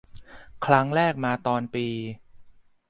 ครั้งแรกมาตอนปี